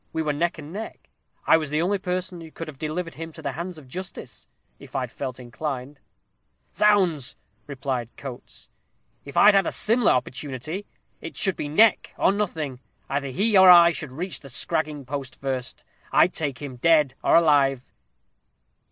We were neck and neck. I was the only person who could have delivered him to the hands of justice, if I'd felt inclined." "Zounds!" cried Coates; "If I had a similar opportunity, it should be neck or nothing. Either he or I should reach the scragging post first. I'd take him, dead or alive."